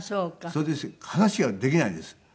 それで話ができないんです。